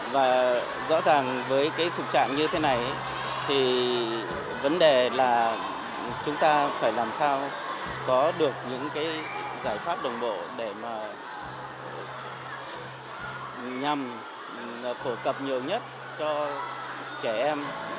và rõ ràng với thực trạng như thế này vấn đề là chúng ta phải làm sao có được những giải pháp đồng bộ để nhằm phổ cập nhiều nhất cho trẻ em